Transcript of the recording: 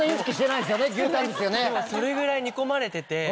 それぐらい煮込まれてて。